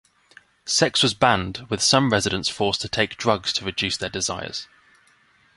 Sex was banned, with some residents forced to take drugs to reduce their desires.